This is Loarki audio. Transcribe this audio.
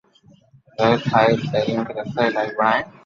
ضرورت ناهي. تعليم کي رسائي لائق بڻائڻ